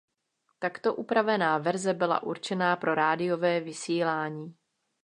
Takto upravená verze byla určená pro rádiové vysílání.